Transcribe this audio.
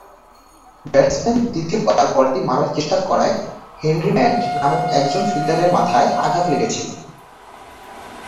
Batsman দ্বিতীয়বার বলটি মারার চেষ্টা করায় হেনরি ব্র্যান্ড নামক একজন ফিল্ডারের মাথায় আঘাত লেগেছিল।